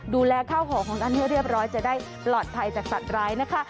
ดูแลข้าวของของท่านให้เรียบร้อยจะได้ปลอดภัยจากสัตว์ร้ายนะคะ